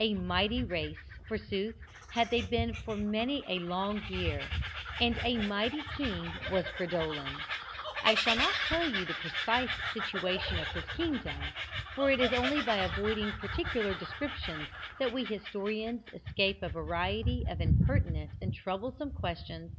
A mighty race, forsooth, had they been for many a long year, and a mighty king was Fridolin. I shall not tell you the precise situation of his kingdom, for it is only by avoiding particular descriptions that we historians escape a variety of impertinent and troublesome questions.